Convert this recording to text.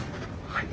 はい。